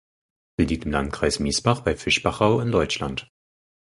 Sie liegt im Landkreis Miesbach bei Fischbachau in Deutschland.